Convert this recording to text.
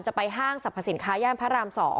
ไปห้างสรรพสินค้าย่านพระราม๒